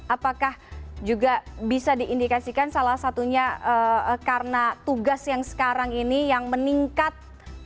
apakah juga bisa diindikasikan salah satunya karena tugas yang sekarang ini yang meningkat